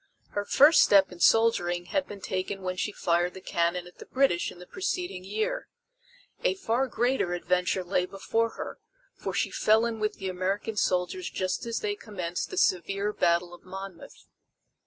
Her first step in soldiering had been taken when she fired the cannon at the British in the preceding year. A far greater adventure lay before her, for she fell in with the American soldiers just as they commenced the severe battle of Monmouth.